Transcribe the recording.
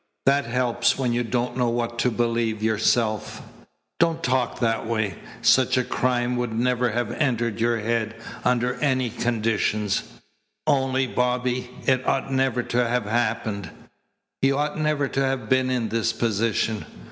"That helps when you don't know what to believe yourself." "Don't talk that way. Such a crime would never have entered your head under any conditions. Only, Bobby, it ought never to have happened. You ought never to have been in this position.